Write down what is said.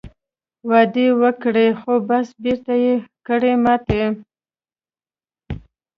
وعده وکړې خو بس بېرته یې کړې ماته